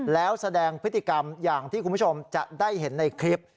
แล้วแสดงพฤติกรรมอย่างที่คุณผู้ชมจะได้เห็นในคลิป